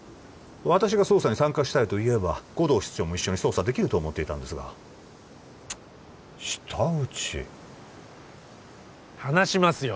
私が捜査に参加したいと言えば護道室長も一緒に捜査できると思っていたんですが舌打ち話しますよ